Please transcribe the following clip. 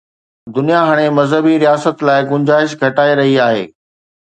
دنيا هاڻي مذهبي رياست لاءِ گنجائش گهٽائي رهي آهي.